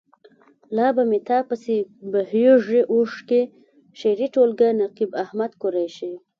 لا به مې تا پسې بهیږي اوښکې. شعري ټولګه. نقيب احمد قریشي.